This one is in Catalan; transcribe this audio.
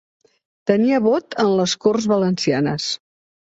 Tenia vot en les Corts Valencianes.